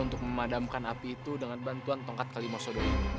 untuk memadamkan api itu dengan bantuan tongkat kalimau sodor